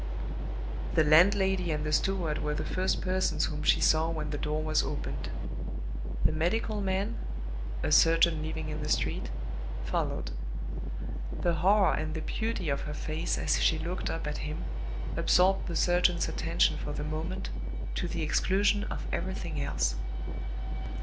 The landlady and the steward were the first persons whom she saw when the door was opened. The medical man (a surgeon living in the street) followed. The horror and the beauty of her face as she looked up at him absorbed the surgeon's attention for the moment, to the exclusion of everything else.